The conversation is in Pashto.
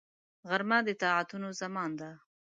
غرمه د طاعتونو زمان ده